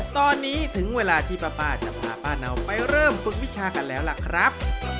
ตอนนี้ถึงเวลาที่ป้าจะพาป้าเนาไปเริ่มฝึกวิชากันแล้วล่ะครับ